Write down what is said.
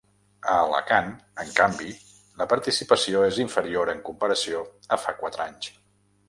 A Alacant, en canvi, la participació és inferior en comparació a fa quatre anys.